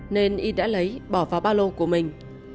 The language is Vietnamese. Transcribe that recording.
nên y đã lấy bỏ vào ba lô của mình